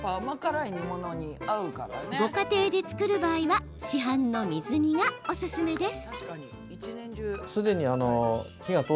ご家庭で作る場合は市販の水煮がおすすめです。